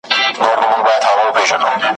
څاڅکي څاڅکي ډېرېږي `